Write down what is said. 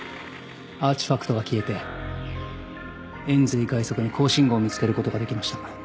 アーチファクトが消えて延髄外側に高信号を見つけることができました。